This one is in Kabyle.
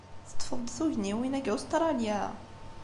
Teṭṭfeḍ-d tugniwin-a deg Ustṛalya?